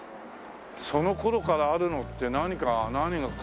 その頃からあるのって何か何かな？